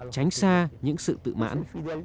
tránh xa những sự tự mãn